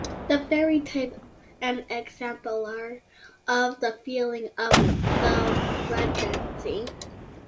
The very type and exemplar of the feeling of the regency.